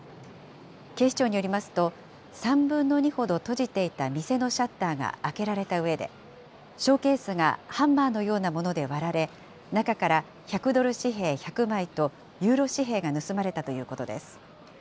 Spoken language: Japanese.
警視庁によりますと、３分の２ほど閉じていた店のシャッターが開けられたうえで、ショーケースがハンマーのようなもので割られ、中から１００ドル紙幣１００枚とユーロ紙幣が盗まれたということです。